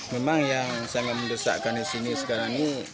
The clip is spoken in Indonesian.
memang yang sangat mendesakkan di sini sekarang ini